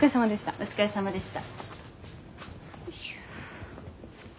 お疲れさまでした。